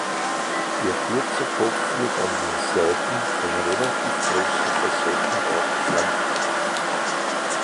Ihr kurzer Kopf wird an den Seiten von relativ großen Facettenaugen flankiert.